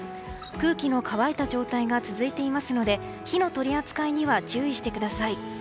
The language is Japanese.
空気の乾いた状態が続いていますので火の取り扱いには注意してください。